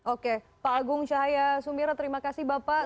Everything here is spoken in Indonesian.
oke pak agung cahaya sumbira terima kasih bapak